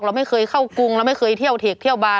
เราไม่เคยเข้ากรุงเราไม่เคยเที่ยวเทคเที่ยวบาร์